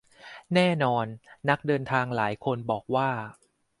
แน่นอนนักเดินทางหลายคนบอกว่า